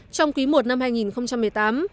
trong quý i năm hai nghìn một mươi tám